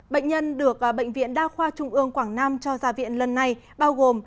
bệnh nhân được bệnh viện đa khoa trung ương quảng nam cho ra viện lần này bao gồm